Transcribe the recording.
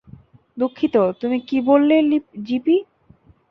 দুঃখিত, তুমি কি বললে যিপি?